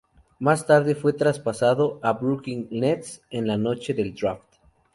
Más tarde, fue traspasado a los Brooklyn Nets en la noche del draft.